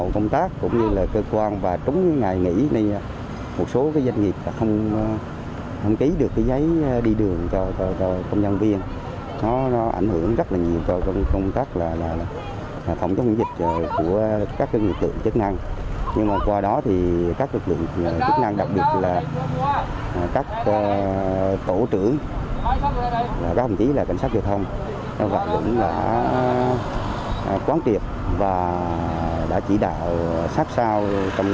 các tổ trưởng các hồng chí là cảnh sát truyền thông đã quán triệt và đã chỉ đạo sát sao